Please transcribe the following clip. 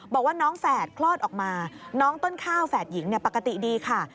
บอกว่าน้องแฝดคลอดออกมาน้องต้นข้าวแฝดหญิงปกติดีค่ะ